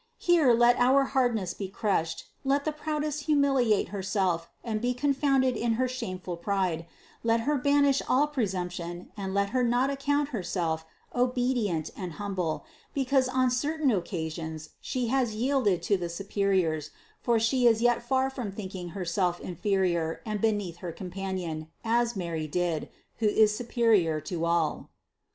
Here let our hardness be crushed, let the proudest humiliate her self and be confounded in her shameful pride ; let her ban ish all presumption and let her not account herself obe THE CONCEPTION 367 dient and humble, because on certain occasions she has yielded to the superiors, for she is yet far from thinking herself inferior and beneath her companion, as Mary did, who is superior to all.